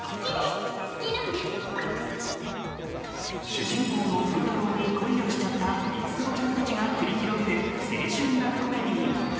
主人公の風太郎に恋をしちゃった五つ子ちゃんたちが繰り広げる青春ラブコメディー。